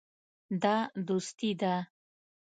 دا دوستي ده.